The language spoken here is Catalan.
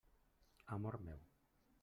Amor meu!